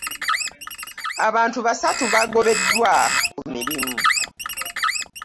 Abantu basatu bagobeddwa ku mirimu.